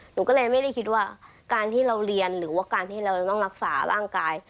หนูก็เลยไม่ได้คิดว่าการที่เราเรียนหรือว่าการที่เราจะต้องรักษาร่างกาย